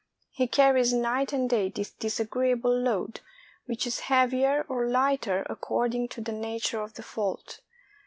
He carries night and day this disagreeable load, which is heavier or Hghter according to the nature of the fault.